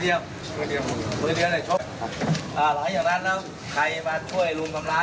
อีกที